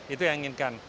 itu yang inginkan